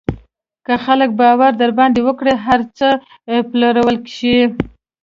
که خلک باور در باندې وکړي، هر څه پلورلی شې.